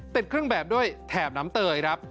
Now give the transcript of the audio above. ติดเครื่องแบบด้วยแถบน้ำเตยครับ